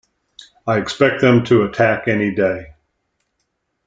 I expect them to attack any day.